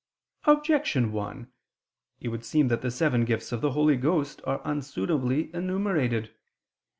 Objection 1: It would seem that seven gifts of the Holy Ghost are unsuitably enumerated.